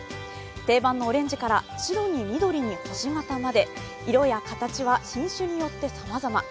定番のオレンジから白に緑に星形まで、色や形は品種によってさまざま。